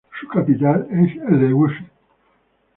Su capital es Eleusis.